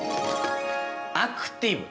アクティブ。